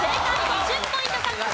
２０ポイント獲得。